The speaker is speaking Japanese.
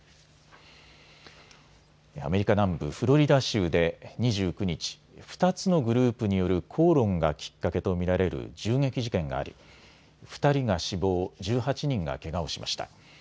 アメリカ南部フロリダ州で２９日、２つのグループによる口論がきっかけと見られる銃撃事件があり２人が死亡、１８人がけがをしました。